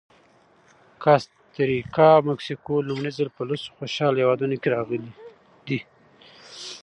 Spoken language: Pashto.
کاستریکا او مکسیکو لومړی ځل په لسو خوشحاله هېوادونو کې راغلي دي.